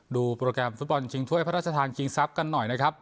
ดูโปรแกรมธุรกรรมชิงถ้วยพระราชธานกิ๊งซัพกันหน่อยครับ